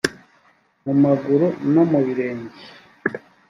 mu maguru no mu birenge